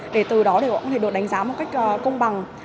để từ đó bọn con có thể được đánh giá một cách công bằng